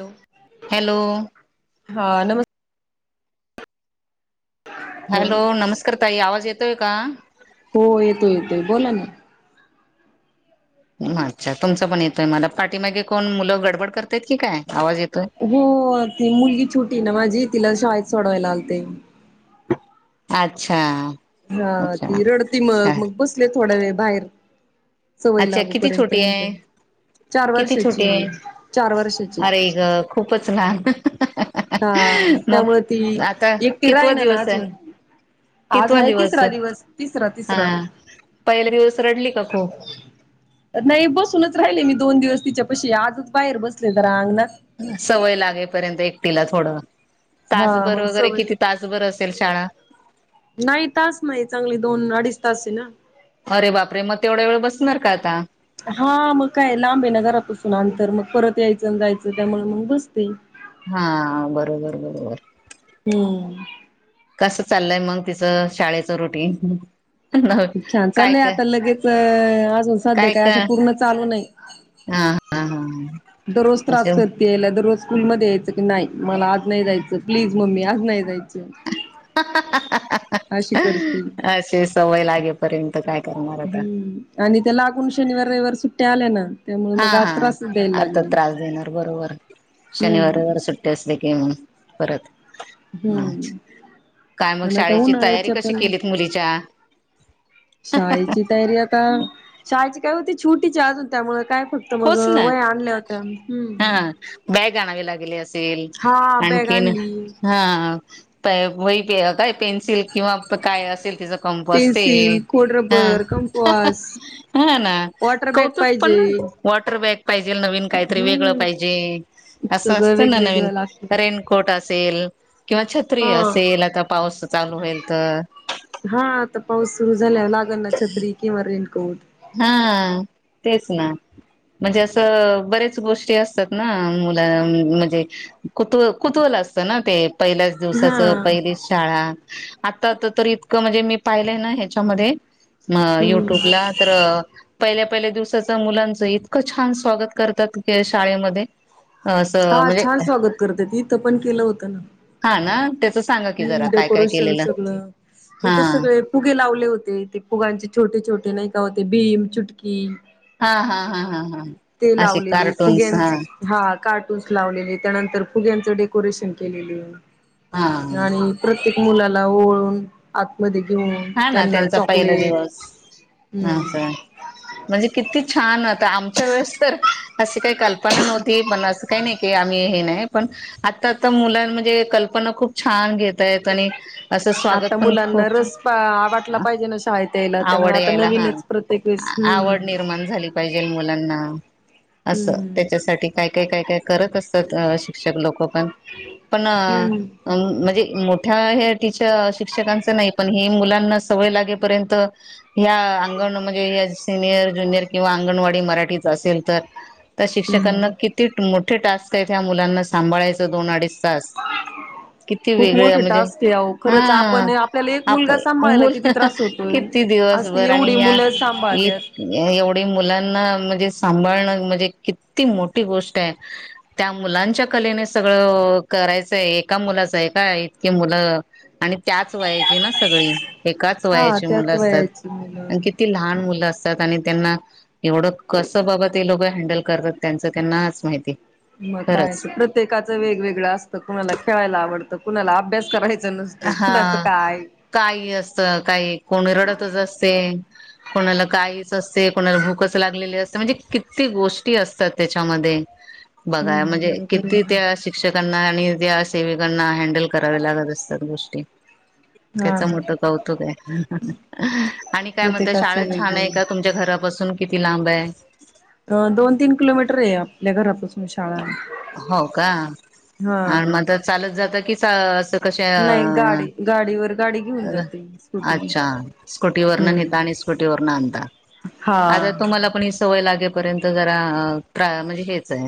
Hello hello हा नमस् hello नमस्कार ताई आवाज येतोय का हो येतोय येतोय बोला ना अच्छा तुमच पण येतोय मला पाठीमागे कोण मुलं गडबड करतायंत की काय आवाज येत - हो ती मुलगी छोटी ना माझी तिला शाळेत सोडवायला आलते. अच्छा. ह अच्छा ती रडती अच्छा मग मग बसले थोड्या वेळ बाहेर. सवय अच्छा किती लागूपर्यंत छोटी म्हटलं. आहे? चार किती छोटी वर्षाची आहे चार वर्षाची. अरे ग खूपच लहान हा त्यामुळे ती मग आता एकटी कितवा राहिना ना दिवस आहे? अजून. आज आहे तिसरा दिवस तिसरा तिसरा. हा पहिला दिवस रडली का खूप? नाही बसूनच राहिले मी दोन दिवस तिच्या पशी आजच बाहेर बसले तर अंगणात. सवय लागेपर्यंत एकटीला थोडं हा तासभर मग वगैरे सवय किती तासभर असेल शाळा. नाही तास नाही चांगली दोन अडीच तासची ना. अरे बापरे मग [unintelligible] हा मग काय लांब आहे ना घरापासून अंतर मग परत यायचं जायचं त्यामुळे मग बसते. हा बरोबर बरोबर. हम्म कसं चाललय मग तिच शाळेच रुटीन? छान काय चालय काय आता लगेच अजून सध्या काय असं पूर्ण चालू नाही. हा हा हा हा दररोज त्रास करते ये दररोज स्कूल मध्ये यायचं की नाही मला आज नाही जायचं प्लीज मम्मी आज नाही जायच. [inaudible] अशी कर् अशी सवय लागेपर्यंत काय करणार आता आणि त्या लाग श शनिवार सुट्ट्या आल्या ना त्यामुळे हा मग आ हा त्रास आता त्रास देणार बरोबर हम्म शनिवार सुट्टी असते की मग परत हम्म काय मग आणि आता शाळेची तयारी उन्हाळ्याच्या कशी पण केलीत मुलीच्या? शाळेची तयारी आता शाळेची काय होती छुटीची अजून त्यामुळे काय. फक्त मग होच ना वह्या आणल्या होत्या ह हम्म. बॅग आणावी लागली असेल. हा बॅग आणखी आणली हा काय वही पेन्सिल किंवा काय असेल तिच कंपास असते पेन्सिल, खोड रबर, कंपवास ह ना वॉटर बॅग कौतुक पण पाहिजे वा बॅग पाहिजे नवीन काहीतरी वेगळ हम्म पाहिजे असं सगळं असतं ना नवीन वेगवेगळं लागत. रेनकोट अस असल किंवा छत्री हा असेल आता पाऊस चालू होईल तर. हा आता पाऊस सुरू झाला लागण ना छत्री किंवा रेनकोट. हा तेच ना. म्हणजे असं बरेच गोष्टी असतात ना मुला म्हणजे कुत कुतुहल असत ना ते पहिल्याच हा दिवसाचं पहिलीच शाळा आता तर तर इतकं म्हणजे मी पाहिलंय ना ह्याच्यामध्ये म हम्म युट्यूबला तर पहिल्या पहिल्या दिवसाच मुलांचं इतकं छान स्वागत करतात शाळेमध्ये. असं हा म्हणजे छान स्वागत करतात इथं पण केलं होतं ना. हां ना त्याच सांगा की जरा हम्म काय काय डेकोरेशन केलेलं सगळं हा इथे सगळे फ़ुगे लावले होते ते फुग्यांचे छोटे छोटे नाही का होते भीम चुटकी हा हा हा हा हा ते असे लावलेले कार्टून्स फुग्यां हा हा कार्टून्स लावलेले त्यानंतर फुग्यांच डे डेकोरेशन केलेली. हा आणि प्रत्येक मुलाला ओवाळून आतमध्ये दे हा ना त्यांचा पहिला दिवस अस, हम्म म्हणजे किती छान होता आमच्या वेळेस तर अशी काही कल्पना नव्हती पण असं काही नाही. की आम्ही हे नाही पण आता आता मुलां म्हणजे कल्पना खूप छान घेत येत आणि असं आता स्वागत पण मुलांना खूप रस वाटला पाहिजे ना शाळेत यायला त्यामुळे आवड आता यायला हा, नवीनच प्रत्येक वेळेस हम्म आवड निर्माण झाली पाहिजे. मुलांना अस हम्म त्याच्यासाठी काय काय काय काय करत अस शिक्षक लोक पण पण हम्म म्हणजे मोठ्या हे त शिक्षकांच नाही पण हे मुलांना सवय लागेपर्यंत... ह्या अंगण म्हणजे ह सिनियर ज्युनियर किंवा अंगणवाडी मराठीच असेल तर... तर शिक्षकांना हम्म किती मोठे टास्क आहेत्या मुलांना सांभाळायचं दोन अडीच... तास किती खूप वेगळ मोठे म्हणजे टास्क आहे अहो खरंच हा... आपण आपल्याला एक आप मुलगा सांभाळायला मुलं किती त्रास होतोय. किती आज ती दिवसभर एवढी आणि या मुलं इ सांभाळत्यात. एवढी मुलं.... मुलांना म्हणजे सांभा.. ळण म्हणजे किती मोठी गोष्ट हे त्या मुलांच्या कलेने सगळ करा.. चय एका मुलाचं आहे का इतकी मुलं आणि त्याच व्हायची ना सगळी... एकाच हा वयाची मुलं त्याच असतात वयाची मुलं. आणि किती लहान मुलं असतात... आणि त्यांना एवढं कसं बाबा ते लोक हँडल करतात त्यांच त्यांनाच माहिती... मग काय खरंच. प्रत्येकाचं वेगवेगळं असतं कुणाला खेळायला आवडतं कुणाला अभ्यास करायच... कुणाचं हा काय... काही असत काही कोणी रडतच असते कोणाला काहीच असते कोणाला भूक... भूकच लागलेली असते म्हणजे किती गोष्टी असतात त्याच्यामध्ये.... बघा हम्म म्हणजे बरोबर आहे किती ना. त्या शिक्षकांना आणि त्या सेविकांना हँडल करावे लागत असतात... गोष्टी... हा त्याच ना मोठ कौतुक आहे आणि काय म्हणत प्रत्येकाच शाळा छान आहे का वेगवेगळं. तुमच्या घरापासून... किती लांब आहे? अ दोन तीन किलोमीटर आहे आपल्या घरापासून शाळा हो का.... आणि हा. मगता चालत जात कि असं कश... नाही गाडी गाडीवर गाडी घेऊन जाते स्कुटी अच्छा स्कुटीवरना हम्म नेता आणि स्कुटीवरन आणता.... आता हा. तुम्हाला पण ही सवय लागेपर्यंत जरा म्हणजे हेच आहे..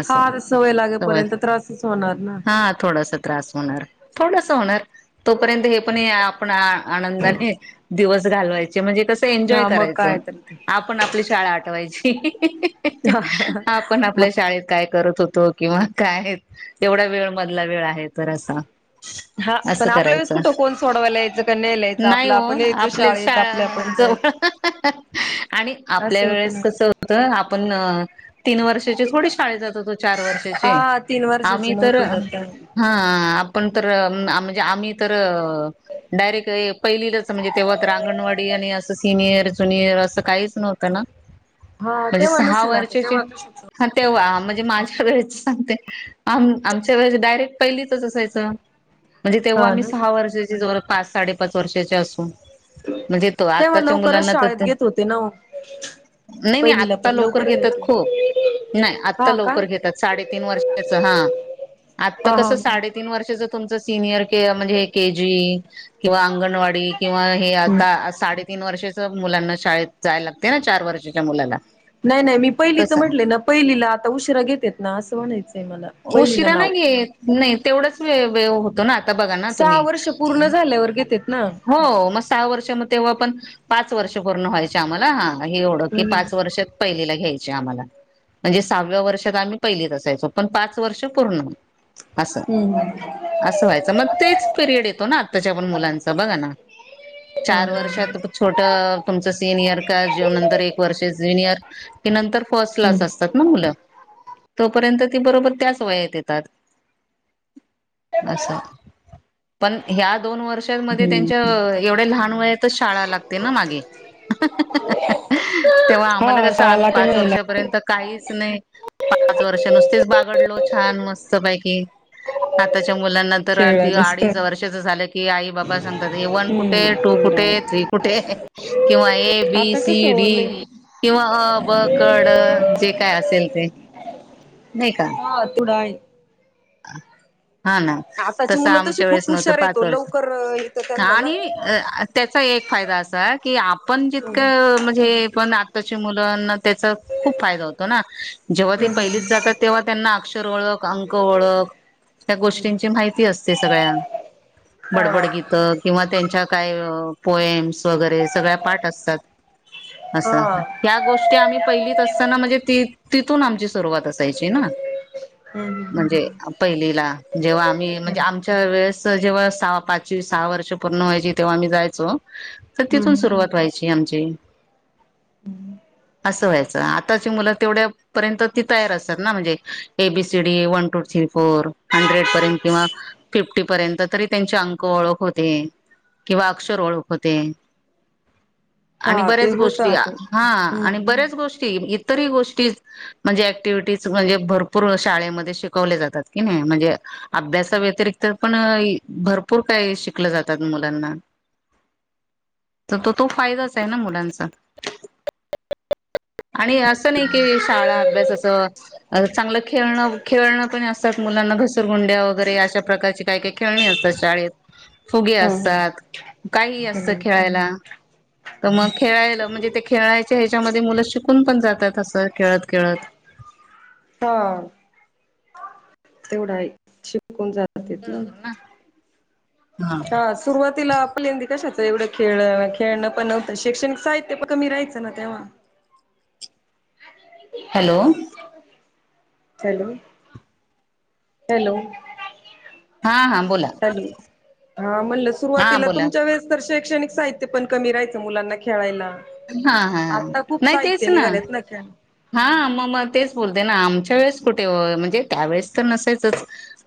असं फार सवय होय लागेपर्यंत त्रासच होणार ना हा थोडस त्रास होणार थोडस होणार... तोपर्यंत हे पण आपण आनंदाने दिवस घालवायचे.. म्हणजे कसं एन्जॉय हा मग करायचं काय तर ते आपण आपली शाळा आठवायची.... हा हा आपण आपल्या शाळेत काय करत होतो किंवा काय तेवढा वेळ मधला वेळ आहे जरा सा... हा पण असं आपल्या वेळेस करायचं कुठं कोण सोडवायला यायचं का न्यायला यायचं नाही आपलं हो आपण यायचो आपले शाळेत शाळा.... आपल्या आपण जायच जवळ... आणि आपल्या असं होतं ना वेळेस कसं होतं आपण तीन वर्षाचे.... थोडी शाळेत जातो चार वर्षाचे हा तीन वर्षाचे आम्ही तर नव्हते जात त्यावेळी हा आपण.... म म्हणजे आम्ही तर डायरेक्ट ये पहिलाच म्हणजे तेव्हा तर आंगणवाडी आणि आस.. सिनियर जुनियर असं काहीच नव्हतं ना हा म्हणजे तेव्हा सहा नसेल आता वर्षाचे... तेव्हा कशाच हा तेव्हा म्हणजे माझ्या वेळेस सांगते आ आमच्या वेळे डायरेक्ट पहिलीतच असायचं... म्हणजे तेव्हा हा आम्ही ना सहा वर्षाची जवळ पाच साडेपाच वर्षाचे असू.... म्हणजे तो तेव्हा आताच्या लवकरच मुलांना तर... शाळेत घेत होते ना ओ नाही नाही पहिलीला आत्ता पण लवकर घेतात घ्यायचे खूप.... नाही आत्ता हा का लवकर घेतात साडेतीन वर्षाचं हा आत्ता हा हा कसं हा साडेतीन वर्षाच.... सिनियर.... म्हण के जी किंवा अंगणवाडी किवा आ हे साडेतीन वर्षाचे... मुलांना शाळेत जायला लागते ना चार वर्षाच्या मुलाला.... नाही नाही मी पहिलीच तस म्हटले ना... पहिलीला आता उशिरा घेतेत ना असं म्हणायचंय मला पहिलीला उशिरा नाव.... नाही घेत नाही तेवढंच होतो ना... बघा तुम् सहा वर्ष पूर्ण झाल्यावर घेतेत ना. हो मग सहा वर्ष... तेव्हा पण पाच वर्ष पूर्ण व्हायचे आम्हाला हा हे एवढं की हम्म पाच वर्ष पहिलीला घ्यायचं. म्हंजे आम्हाला म्हणजे सहाव्या वर्षात आम्ही पहिलीच असायचो पण पाच वर्ष पूर्ण. असं हम्म असं व्हायचं मग तेच पिरियड येतो ना आत्ताच्या पण मुलांच बघा ना. चार वर्षात छोट तुमच सिनियर का जे नंतर एक वर्ष ज्युनियर. ते नर फर्ट हम्म क्लास असत मुल तोपर्यंत ती बरोबर त्याच वयात येतात. ते बळा. असं पण ह्या दोन वर्षांमध्ये त्यांच्या एवढ्या लहान वयातच शाळा लागते ना मागे. तेव्हा आम्हाला हा कस आम्ही शाळाला ते पाच महिला वर्षापर्यंत काहीच नाही पाच वर्ष नुसतीच बागडलो छान मस्तपैकी आता च्या मुलांनंतर खेळला जास्त अडीच वर्षाच झालं की आई बाबा सांगतात वन कुठे हम्म टू तेवढ कुठे थ्री आहे कुठे किंवा ए बी आता कसं सी हो डी. लई किंवा अ ब क ड जे काय असेल ते. नाही का हा तुडा आहे. हा ना आताची तसं मुलं तशी आमच्या वेळेस खूप नव्हतं हुशार पाच येतो वर्ष. लवकर येतं त्यांना ना. आणि त्याचा एक फायदा असा की आपण जितकं म्हणजे पण मुलांना त्याचा खूप फायदा होतो ना जेव्हा ते पहिलीत जातात तेव्हा त्यांना अक्षर ओळख अंख ओळख त्या गोष्टींची माहिती असते सगळ्या. हा बडबड गीतं किंवा त्यांच्या काय. पोएम्स वगैरे सगळ्या पाठ असतात. हा असं ह्या गोष्टी आम्ही पहिलीत असताना म्हणजे ती. तिथून आमची सुरुवात असायची ना. हम् ह म्हणजे पहिलीला जेव्हा आम्ही म्हणजे हम्म आमच्या वेळेस. जेव्हा स पाच सहा वर्ष पूर्ण व्हाय तेव्हा मी जायचो तर तिथून हम्म सुरुवात व्हाय ची आमची. असं व्हायचं आताची मुलं तेवढ्या पर्यंत ती तयार असतात ना म्हणजे एबीसी. वन ट फर हंड्रेड पर्यंत किंवा फिफ्टी पर्यंत तरी त्यांचे अंक ओळख होते. किंवा अक्षर ओळख होते. आणि हा ते बऱ्याच होत गोष्टी आता हा हम्म. आणि बऱ्याच गो ष्टी इतरही गोष्टी म्हणजे ऍक्टिव्हिटी अशी भरपूर शाळेम ध्ये शिकवले जातात कि नाही म्हणजे अभ्याव्यतिरिक्त पण भरपूर काय शिकल जा तात मुलांना. तर तो तो फायदाच आहे ना मुलांचा. आणि असं नाही की शाळा अभ्यास असं चांगलं खेळणं खेळणं पण असतात मुलांना घसरगुंड्या वगैरे अशा प्रकारची काही काही खेळणी असतात शाळेत. फुगे हा हा. असतात काही असत हम्म खेळायला. तर मग खेळायला म्हणजे ते खेळायचे ह्याच्यामध्ये मुलं शिकून पण जातात असं खेळत खेळत. [inaudible] हा. तेवढाई शिकूण जा तेत ना हा सुरुवातीला आपल्यांदी कशाच एवढं खेळ खेळणं पण नव्हतं शैक्षणिक साहित्य प कमी राहायचं ना तेव्हा. हॅलो हॅलो हॅलो हा हा बोला हॅलो हा म्हणल हा सुरुवातीला बोला तुमच्या वेळेस तर शैक्षणिक साहित्य पण कमी राहायचं मुलांना खेळायला. हा हा आता खूप नाही साहित्य तेच ना निघालेत खेळ हा म म तेच बोलते ना आमच्या त्या वेळेस कुठे ओ म्हणजे त्यावेेळेस तर नसायचच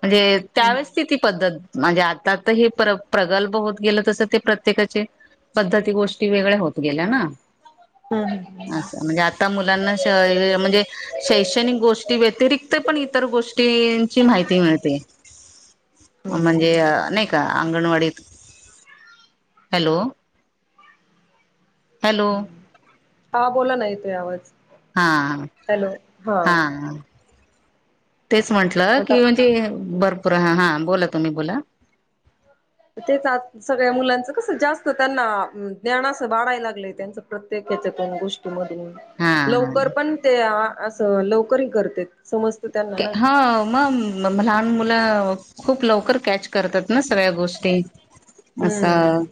म्हणजे हम् त्यावेळेस तीती पद्धत म्हणजे आता ता हे प्र प्रगल्भ होत गेलं तस ते प्रत्येकाचे पद्धती गोष्टी वेगळ्या होत गेल्या ना. हम् हम् स म्हणजे आता मुलांना म्हणजे शैक्षणिक गोष्टी व्यतिरिक्त पण इतर गोष्टी गोष्टीची माहिती मिळते म्हणजे हम्म नाही का अंगणवाडीत, हॅलो? हॅलो! हा बोला ना येतोय आवाज हा हॅलो हा तेच म्हंटलं की आता म्हणजे भरपूर हा हां बोला तुम्ही बोला तेच आ सगळ्या मुलांचं कसं जास्त त्यांना ज्ञान अस वाढाय लागलंय त्यांच प्रत्येक हेच्यातून गोष्टी मधून हा लवकर पण ते असं लवकर हे करतेत. हा म म लहान मुलं खूप लवकर कॅच करतात ना सगळ्या गोष्टी असं हम्म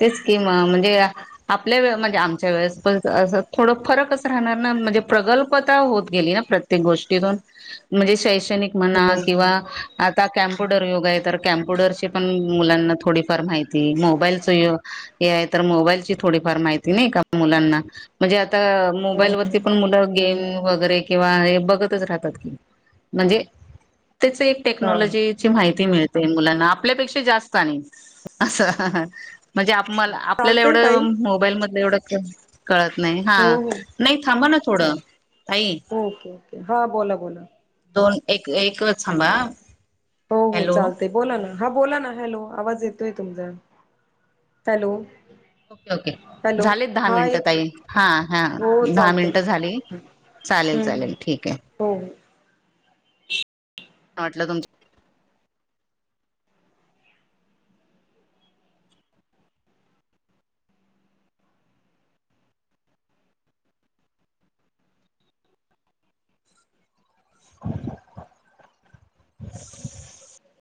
तेच कि मगं म्हणजे आपल्या वे म्हणजे आमच्या वेळेस असं थोड फरकच राहणार ना म्हणजे प्रगल्प आता होत गेली ना प्रत्येक गोष्टीतून म्हणजे शैक्षणिक म्हणा किंवा आता कॅम म्पुटर युग आहे तर कॅम्प्युटरची पण मुलांना थोडीफार माहिती मोबाईलच य हे आहे तर मोबाईलची थोडीफार माहिती नाही का मुलांना म्हणजे आता मोबाईल वरती पण मुलं गेम वगैरे किंव्हा हे बघतच राहतात की म्हणजे तेच एक हा टेक्नॉलॉजीची माहिती मिळ ते मुलांना आपल्यापेक्षा जास्त आणि असं म्हणजे आपमला आपल्याला चालतय ताई एवढं मोबाईल मधलं एवढं क कळत नाही हा हो हो नाही थांब ना थोडं चालत ताई ओके ओके हा बोला बोला दोन एक एकच थांबा हो हो हॅलो चालतय बोला ना हा बोला ना हॅलो आवाज येतोय तुमचा हॅलो ओके ओके हॅलो झालेत दहा हा मिनिटं येत ताई हा हा हो दहा चालते मिनिटं झाली चालेल हम्म चालेल ठीक आहे. हो हो वाटलं तुमचं [unintelligible]